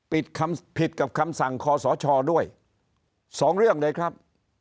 ผิดกับคำสั่งคอสชด้วยสองเรื่องเลยครับ